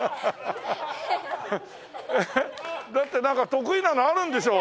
だってなんか得意なのあるんでしょう？